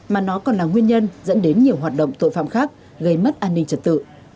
mà nó còn là nguyên nhân dẫn đến nhiều hoạt động tội phạm khác gây mất an ninh trật tự